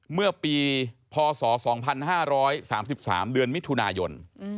เมื่อปีพศ๒๕๓๓เดือนมิถุนายน